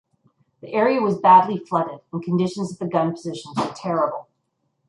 The area was badly flooded and conditions at the gun positions were terrible.